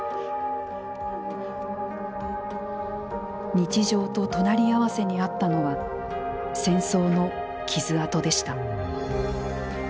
日常と隣り合わせにあったのは戦争の傷痕でした。